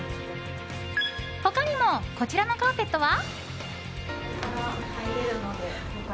他にもこちらのカーペットは。